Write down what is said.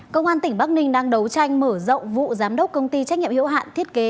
công an tỉnh bắc ninh đang đấu tranh mở rộng vụ giám đốc công ty trách nhiệm hiệu hạn thiết kế